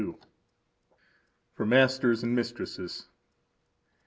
For Masters and Mistresses.